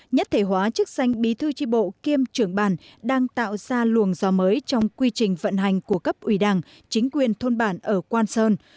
nhất thể hóa chức danh bí thư tri bộ kiêm trưởng bản đang tạo ra luồng gió mới trong quy trình vận hành của cấp ủy đảng chính quyền thôn bản ở quan sơn